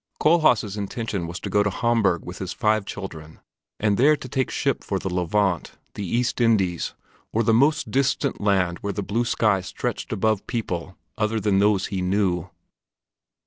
Kohlhaas' intention was to go to Hamburg with his five children and there to take ship for the Levant, the East Indies, or the most distant land where the blue sky stretched above people other than those he knew.